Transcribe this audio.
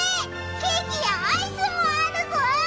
ケーキやアイスもあるぞ！